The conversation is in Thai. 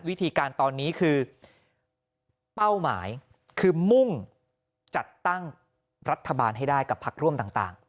วิธีการตอนนี้คือเป้าหมายคือมุ่งจัดตั้งรัฐบาลให้ได้กับพักร่วมต่าง